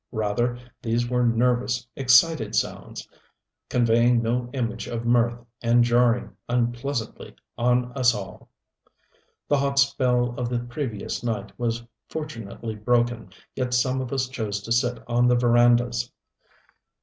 Rather these were nervous, excited sounds, conveying no image of mirth, and jarring unpleasantly on us all. The hot spell of the previous night was fortunately broken, yet some of us chose to sit on the verandas.